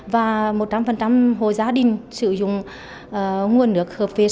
và một trăm linh hồ gia đình sử dụng nguồn nước hợp vệ sinh